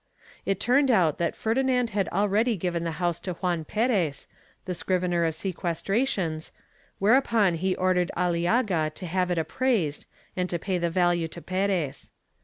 It turned out that Ferdinand had already given the house to Juan Perez, the scrivener of seques trations, whereupon he ordered Aliaga to have it appraised and to pay the value to Perez.